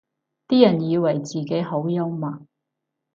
啲人以為自己好幽默